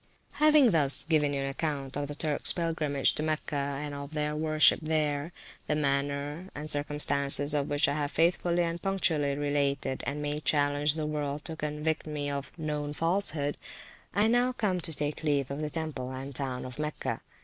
Having thus given you an account of the Turks pilgrimage to Mecca, and of their worship there (the manner and circumstances of which I have faithfully and punctually related, and may challenge the world to convict me of a known falsehood), I now come to take leave of the temple and town of Mecca.